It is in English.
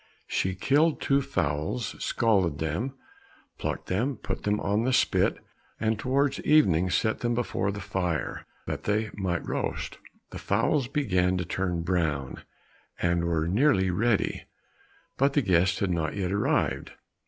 She killed two fowls, scalded them, plucked them, put them on the spit, and towards evening set them before the fire, that they might roast. The fowls began to turn brown, and were nearly ready, but the guest had not yet arrived.